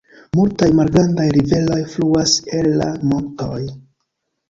Multaj malgrandaj riveroj fluas el la montoj.